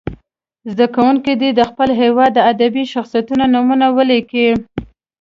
زده کوونکي دې د خپل هېواد د ادبي شخصیتونو نومونه ولیکي.